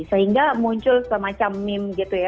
sehingga muncul semacam meme gitu ya